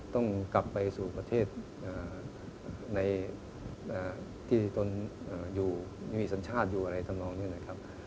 ต้องกลับไปสู่ประเทศที่ต้องอยู่อยู่อิสัญชาติอยู่ไหนทางนอนนี่นะครับ